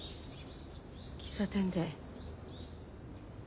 喫茶店で。